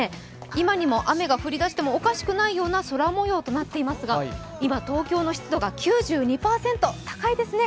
今にも雨が降りだしてもおかしくないような空模様になっていますが今、東京の湿度が９２％、高いですね。